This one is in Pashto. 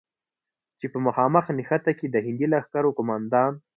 چې په مخامخ نښته کې د هندي لښکرو قوماندان،